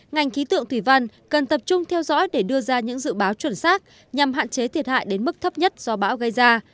ngành khí tượng thủy văn cần tập trung theo dõi để đưa ra những dự báo chuẩn xác nhằm hạn chế thiệt hại đến mức thấp nhất do bão gây ra